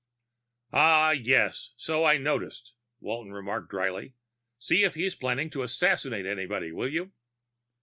"Ah yes. So I noticed," Walton remarked drily. "See if he's planning to assassinate anybody, will you?"